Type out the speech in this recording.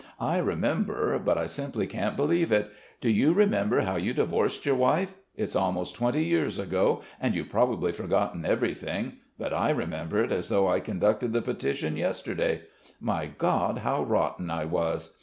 "I remember, but I simply can't believe it. Do you remember how you divorced your wife? It's almost twenty years ago, and you've probably forgotten everything, but I remember it as though I conducted the petition yesterday. My God, how rotten I was!